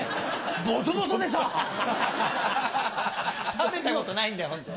食べたことないんだよホントは。